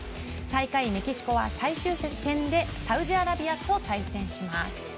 最下位メキシコは最終戦でサウジアラビアと対戦します。